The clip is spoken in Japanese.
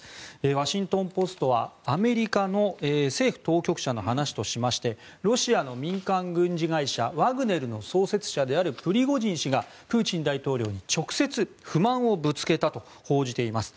ワシントン・ポストはアメリカの政府当局者の話としましてロシアの民間軍事会社ワグネルの創設者であるプリゴジン氏がプーチン大統領に直接不満をぶつけたと報じています。